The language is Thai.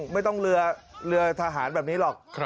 ไม่ต้องเรือทหารแบบนี้หรอก